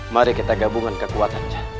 mari kita gabungkan kekuatannya